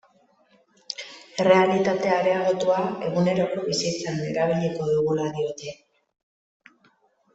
Errealitate areagotua eguneroko bizitzan erabiliko dugula diote.